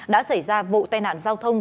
đã xảy ra vụ tai nạn giao thông